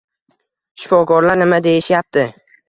Shifokorlar nima deyishyapti